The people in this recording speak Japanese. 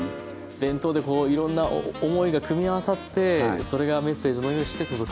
弁当でいろんな思いが組み合わさってそれがメッセージのようにして届くと。